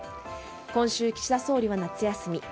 今週、岸田総理は夏休み。